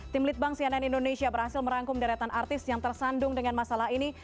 tim litbang cnn indonesia berhasil merangkum deretan artis yang tersandung dengan masalah ini